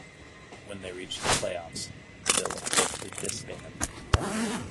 When they reached the playoffs, Billick lifted this ban.